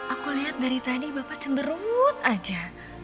aku lihat dari tadi bapak cemberut aja